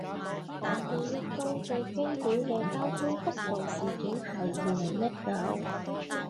我記憶中最經典嘅交通督導事件係二零一九